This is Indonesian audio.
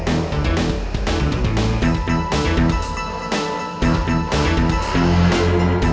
eh berodong tua